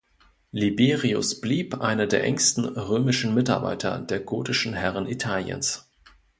Liberius blieb einer der engsten römischen Mitarbeiter der gotischen Herren Italiens.